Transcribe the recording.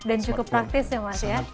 dan cukup praktis ya mas ya